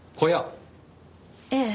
ええ。